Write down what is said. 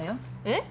えっ？